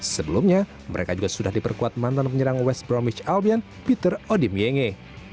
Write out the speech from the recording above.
sebelumnya mereka juga sudah diperkuat mantan penyerang west bromwich albion peter odim gengi